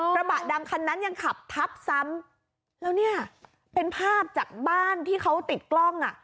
กระบะดำคันนั้นยังขับทับซ้ำแล้วเนี่ยเป็นภาพจากบ้านที่เขาติดกล้องอ่ะ